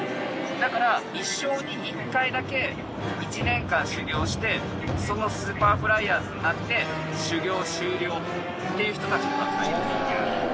だから一生に１回だけ１年間修業してそのスーパーフライヤーズになって修業終了っていう人たちもたくさんいます。